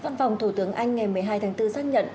văn phòng thủ tướng anh ngày một mươi hai tháng bốn xác nhận